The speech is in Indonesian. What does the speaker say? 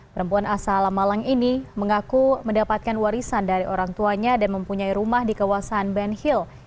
perempuan asal malang ini mengaku mendapatkan warisan dari orang tuanya dan mempunyai rumah di kawasan ben hill